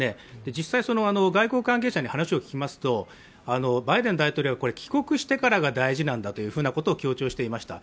実際、外交関係者に話を聞きますとバイデン大統領は帰国してからが大事なんだということを強調していました。